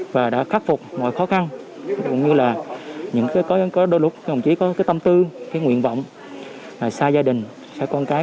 và đã khắc phục mọi khó khăn cũng như là những đôi lúc đồng chí có tâm tư nguyện vọng xa gia đình xa con cái